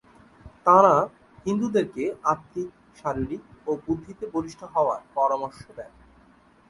তাঁরা হিন্দুদেরকে আত্মিক, শারীরিক ও বুদ্ধিতে বলিষ্ঠ হওয়ার পরামর্শ দেন।